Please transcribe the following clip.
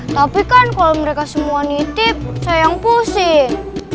tapi kan kalau mereka semua nitip sayang pusing